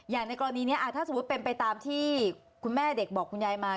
ในกรณีนี้ถ้าสมมุติเป็นไปตามที่คุณแม่เด็กบอกคุณยายมา